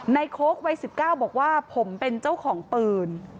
โค้กวัย๑๙บอกว่าผมเป็นเจ้าของปืน